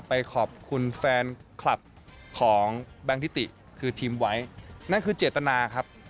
ไปขอบคุณแฟนคลับของแบงคิติคือทีมไว้นั่นคือเจตนาครับ